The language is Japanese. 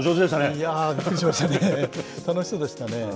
いやー、楽しそうでしたね。